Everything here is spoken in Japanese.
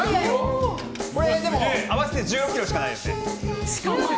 でも、合わせて１６ｋｇしかないですね。